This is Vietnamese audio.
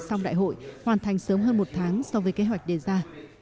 xong đại hội hoàn thành sớm hơn một tháng so với kế hoạch đề ra